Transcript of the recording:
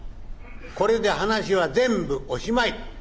これで話は全部おしまい。